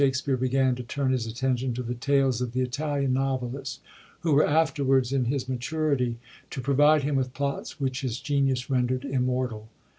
9a REVIEW OF THE FIRST PERIOD spere began to turn his attention to the tales of the Italian novelists who were afterwards, in his maturity, to pro vide him with plots which his genius renderd immortal.